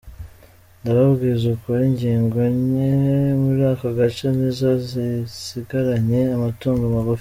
Ndababwiza ukuri ingo nke muri aka gace nizo zisigaranye amatungo magufi.